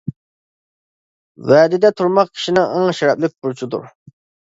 ۋەدىدە تۇرماق كىشىنىڭ، ئەڭ شەرەپلىك بۇرچىدۇر.